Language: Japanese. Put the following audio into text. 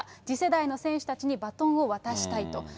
次世代の選手たちにバトンを渡したいと。